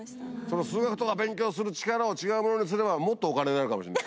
その数学とか勉強する力を違うものにすればもっとお金になるかもしれない。